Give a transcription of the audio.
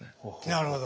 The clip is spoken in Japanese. なるほど。